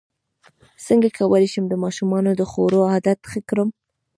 څنګه کولی شم د ماشومانو د خوړو عادت ښه کړم